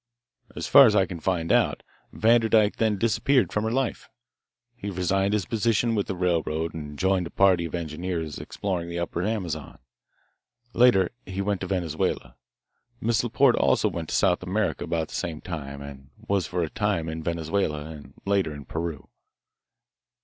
"As far as I can find out, Vanderdyke then disappeared from her life. He resigned his position with the railroad and joined a party of engineers exploring the upper Amazon. Later he went to Venezuela. Miss Laporte also went to South America about the same time, and was for a time in Venezuela, and later in Peru.